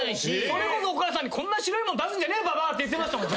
それこそお母さんにこんな白いもん出すんじゃねえババアって言ってました自分も。